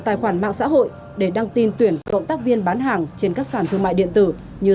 tài khoản mạng xã hội để đăng tin tuyển cộng tác viên bán hàng trên các sản thương mại điện tử như